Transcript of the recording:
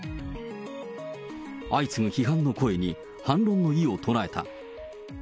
相次ぐ批判の声に、反論の異を唱えた。